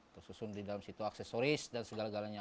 tersusun di dalam situ aksesoris dan segala galanya